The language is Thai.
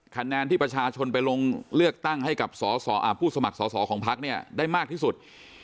คะแนนที่ประชาชนไปลงเลือกตั้งให้กับผู้สมัครสอสอของพักเนี่ยได้มากที่สุด